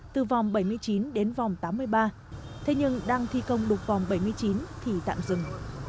từ vòng bảy mươi chín đến vòng tám mươi ba thế nhưng đang thi công đục vòng bảy mươi chín thì tạm dừng